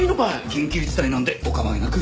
緊急事態なんでお構いなく。